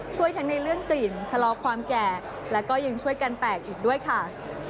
ช่วยทั้งในเรื่องกลิ่นชะลอความแก่และก็ยังช่วยกันแตกอีกด้วยค่ะ